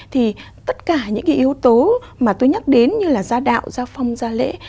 thì tất cả những cái yếu tố mà tôi nhắc đến như là gia đạo gia phong gia lễ